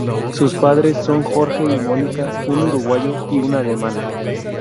Sus padres son Jorge y Monika, un uruguayo y una alemana.